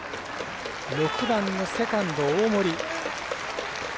６番のセカンド、大森。